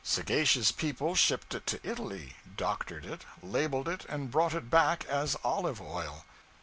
Sagacious people shipped it to Italy, doctored it, labeled it, and brought it back as olive oil.